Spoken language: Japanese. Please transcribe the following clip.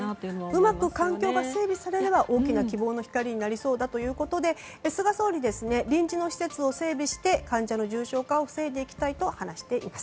うまく環境が整備されれば大きな希望の光になりそうだということで菅総理は臨時の施設を整備して患者の重症化を防いでいきたいと話しています。